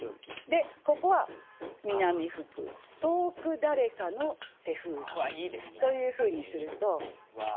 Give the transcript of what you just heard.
でここは「南吹く遠く誰かの手風琴」というふうにすると。